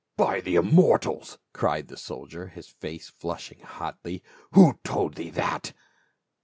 " By the immortals !" cried the soldier, his face flushing hotly, " Who told thee that?"